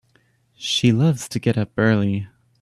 She loves to get up early.